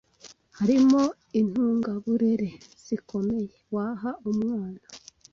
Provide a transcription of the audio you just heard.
harimo intungaburere zikomeye waha umwana